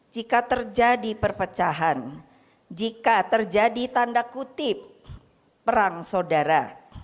jika terjadi perpecahan jika terjadi tanda kutip perang saudara